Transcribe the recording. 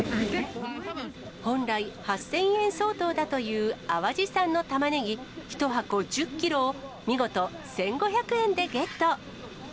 本来、８０００円相当だという淡路産のタマネギ１箱１０キロを、見事１５００円でゲット。